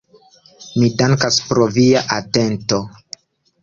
Mi dankas pro via atento.